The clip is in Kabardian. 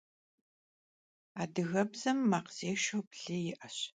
Adıgebzem makhzêşşeu blıre yi'eş.